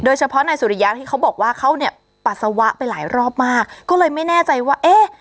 เฉพาะนายสุริยะที่เขาบอกว่าเขาเนี่ยปัสสาวะไปหลายรอบมากก็เลยไม่แน่ใจว่าเอ๊ะ